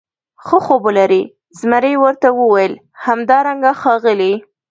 ښه خوب ولرې، زمري ورته وویل: همدارنګه ښاغلی.